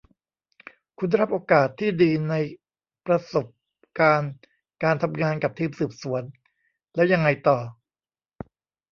คุณได้รับโอกาสที่ดีในประสบการณ์การทำงานกับทีมสืบสวน แล้วยังไงต่อ